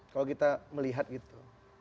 kalau kita melihat gitu